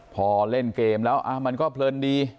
พอเล่นเกมแล้วมันก็เพลินดี